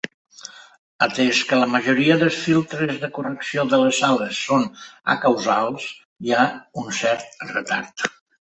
Atès que la majoria dels filtres de correcció de les sales són acausals, hi ha un cert retard.